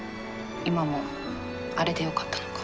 今もあれでよかったのか。